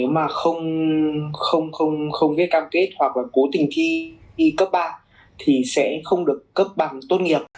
mà không viết cam kết hoặc là cố tình thi cấp ba thì sẽ không được cấp bằng tốt nghiệp